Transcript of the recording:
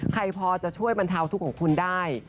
ใครพอจะช่วยบรรเทาทุกข์ของคุณได้